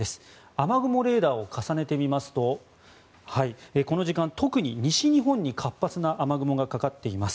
雨雲レーダーを重ねてみますとこの時間、特に西日本に活発な雨雲がかかっています。